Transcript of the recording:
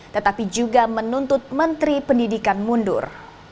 tetapi juga menuntut menteri pendidikan mundur